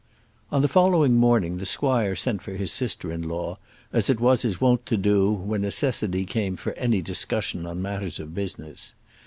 On the following morning the squire sent for his sister in law, as it was his wont to do when necessity came for any discussion on matters of business.